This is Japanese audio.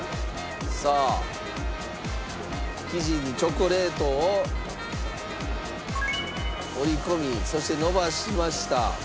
さあ生地にチョコレートを折り込みそして伸ばしました。